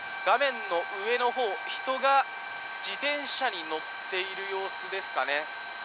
画面の上の方、人が自転車に乗っている様子ですかね。